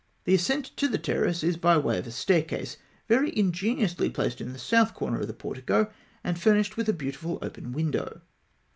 The ascent to the terrace is by way of a staircase, very ingeniously placed in the south corner of the portico, and furnished with a beautiful open window (F).